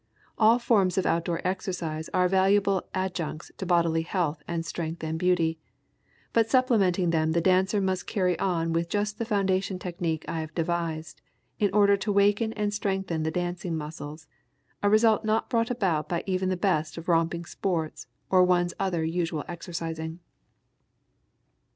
All forms of outdoor exercise are valuable adjuncts to bodily health and strength and beauty, but supplementing them the dancer must carry on with just the foundation technique I have devised, in order to waken and strengthen the dancing muscles, a result not brought about by even the best of romping sports or one's other usual exercising.